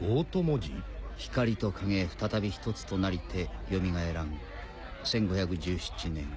「光と影再び１つとなりてよみがえらん１５１７年」。